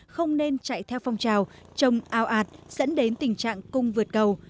không nên chạy theo phong trào trồng ao ạt dẫn đến tình trạng cung vượt cầu